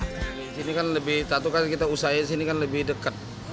di sini kan lebih satu kan kita usai di sini kan lebih dekat